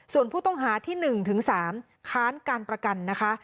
ส่วนผู้ต้องหาที่๑ถึง๓ค้านการประกันนะคะ